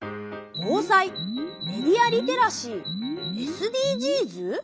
防災メディア・リテラシーＳＤＧｓ？